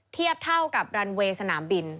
เทียบเท่ากับรันเวย์สนามบิน